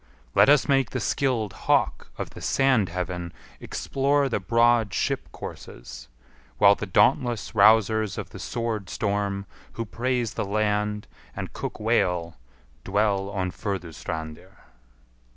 Let us make the skilled hawk of the sand heaven explore the broad ship courses; while the dauntless rousers of the sword storm, who praise the land, and cook whale, dwell on Furdustrandir."